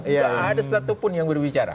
tidak ada satupun yang berbicara